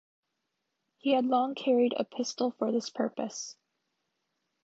He had long carried a pistol for this purpose.